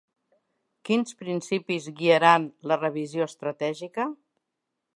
Quins principis guiaran la revisió estratègica?